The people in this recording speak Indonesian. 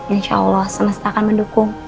insya allah semesta akan mendukung